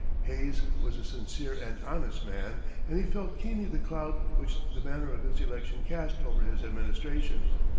Hayes was a sincere and honest man, and he felt keenly the cloud which the manner of his election cast over his administration.